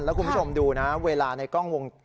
ละคุณผู้ชมดูนะเวลาในกล้อง